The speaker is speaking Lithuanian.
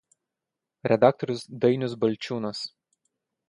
Redaktorius Dainius Balčiūnas.